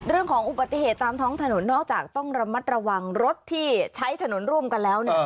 เรื่องของอุบัติเหตุตามท้องถนนนอกจากต้องระมัดระวังรถที่ใช้ถนนร่วมกันแล้ว